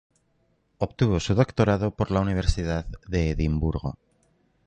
Obtuvo su doctorado por la Universidad de Edimburgo.